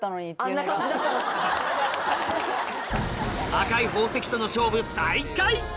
赤い宝石との勝負再開！